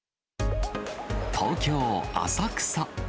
東京・浅草。